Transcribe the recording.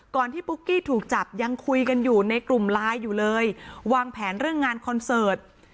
ที่ปุ๊กกี้ถูกจับยังคุยกันอยู่ในกลุ่มไลน์อยู่เลยวางแผนเรื่องงานคอนเสิร์ต